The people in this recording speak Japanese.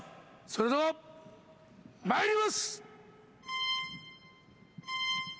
それではまいります！